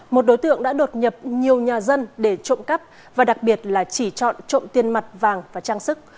một đối tượng đã đột nhập nhiều nhà dân để trộm cắp và đặc biệt là chỉ chọn trộm tiền mặt vàng và trang sức